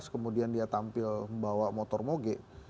kemudian dia tampil membawa motor moge